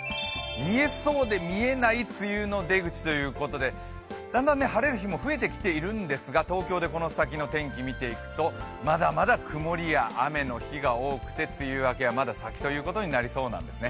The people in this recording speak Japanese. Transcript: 見えそうで見えない梅雨の出口ということで、だんだん晴れる日も増えてきているんですが東京でこの先の天気、見ていくと、まだまだ曇りや雨の日が多くて梅雨明けは、まだ先ということになりそうなんですね。